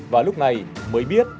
và lúc này mới biết